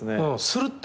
するっと。